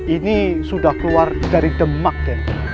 ini sudah keluar dari demak ya